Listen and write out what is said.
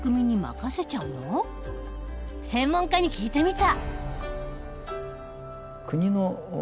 専門家に聞いてみた。